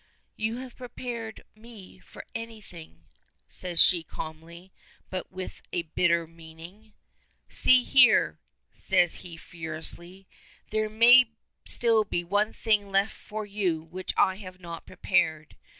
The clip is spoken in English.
"You have prepared me for anything," says she calmly, but with bitter meaning. "See here," says he furiously. "There may still be one thing left for you which I have not prepared.